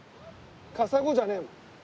カサゴじゃねえもん。